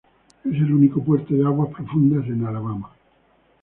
Es el único puerto de aguas profundas en Alabama.